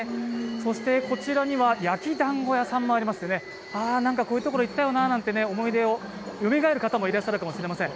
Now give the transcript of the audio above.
そして、こちらには焼きだんご屋さんもありまして、こういうところに行ったよなという思い出がよみがえる方もいるかもしれません。